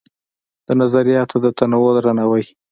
د نظریاتو د تنوع درناوی